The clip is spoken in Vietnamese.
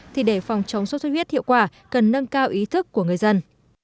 thì để phòng chống sốt xuất huyết hiệu quả cần nâng cao ý thức của người dân